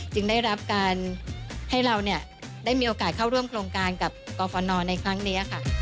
ได้รับการให้เราได้มีโอกาสเข้าร่วมโครงการกับกรฟนในครั้งนี้ค่ะ